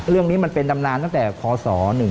เรื่องนี้มันเป็นดำนานตั้งแต่พศ๑๕